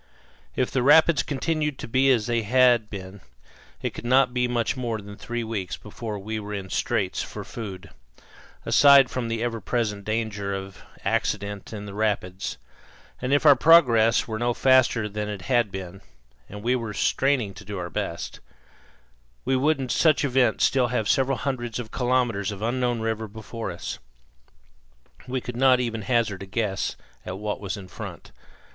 If the rapids continued to be as they had been it could not be much more than three weeks before we were in straits for food, aside from the ever present danger of accident in the rapids; and if our progress were no faster than it had been and we were straining to do our best we would in such event still have several hundreds of kilometres of unknown river before us. We could not even hazard a guess at what was in front.